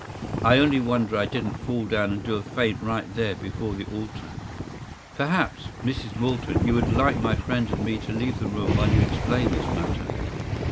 I only wonder I didn’t fall down and do a faint right there before the altar.” “Perhaps, Mrs. Moulton, you would like my friend and me to leave the room while you explain this matter?